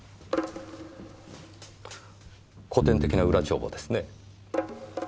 古典的な裏帳簿ですねぇ。